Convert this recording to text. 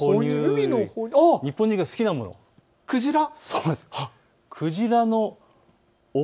日本人が好きなもの、クジラ？